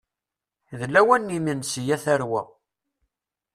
D lawan n yimensi, a tarwa.